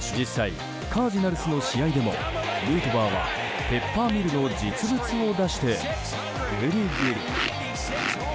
実際、カージナルスの試合でもヌートバーはペッパーミルの実物を出してグリグリ。